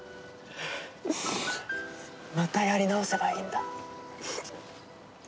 またやり直せばいいんだ。